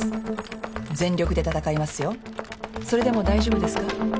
それでも大丈夫ですか？